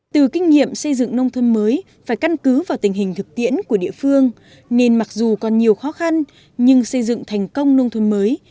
từ kinh nghiệm xây dựng nông thôn mới phải căn cứ vào tình hình thực tiễn của địa phương nên mặc dù còn nhiều khó khăn nhưng xây dựng thành công nông thôn mới